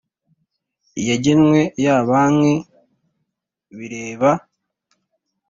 yagenwe ya banki bireba